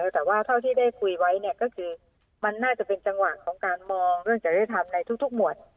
แต่ว่าเท่าที่ได้คุยไว้เนี่ยก็คือมันน่าจะเป็นจังหวะของการมองเรื่องจริยธรรมในทุกหมวด